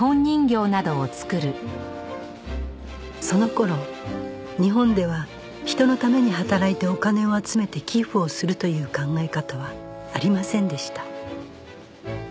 その頃日本では人のために働いてお金を集めて寄付をするという考え方はありませんでした